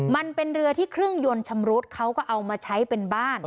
มันเป็นเรือที่เครื่องยนต์ชำรุดเขาก็เอามาใช้เป็นบ้าน